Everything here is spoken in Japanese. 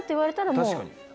もう。